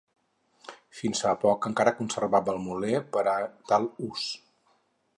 Fins fa poc encara conservava el moler per a tal ús.